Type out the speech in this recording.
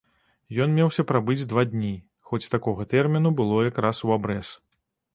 Ён меўся прабыць два дні, хоць такога тэрміну было якраз у абрэз.